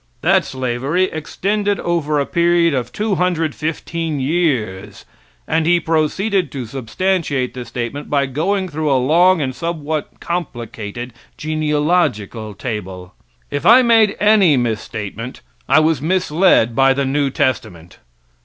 That slavery extended over a period of 215 years; and he proceeded to substantiate this statement by being through a long and somewhat complicated genealogical table. If I made any misstatement I was misled by the new testament.